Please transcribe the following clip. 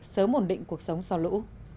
sớm ổn định cuộc sống sau lũ